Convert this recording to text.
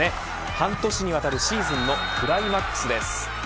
半年にわたるシーズンのクライマックスです。